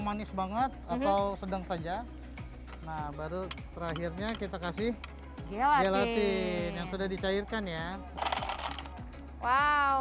manis banget atau sedang saja nah baru terakhirnya kita kasih gelatin yang sudah dicairkan ya wow